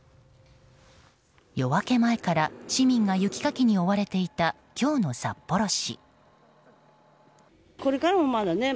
夜明け前から市民が雪かきに追われていた今日の札幌市。